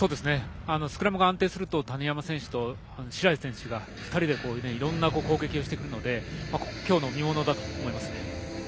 スクラムが安定すると谷山選手と白石選手が２人でいろんな攻撃をしてくるので見ものだと思います。